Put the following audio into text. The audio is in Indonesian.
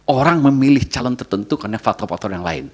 orang memilih calon tertentu karena faktor faktor yang lain